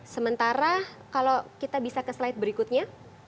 sementara kalau kita bisa ke slide berikutnya